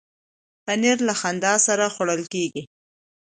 پنېر له خندا سره خوړل کېږي.